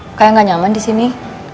put lo kenapa kayak gak nyaman di sini